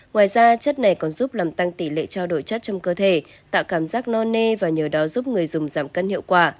ngoài ra chất này còn giúp làm tăng tỷ lệ trao đổi chất trong cơ thể tạo cảm giác non nê và nhờ đó giúp người dùng giảm cân hiệu quả